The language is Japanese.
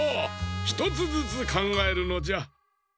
ひとつずつかんがえるのじゃ。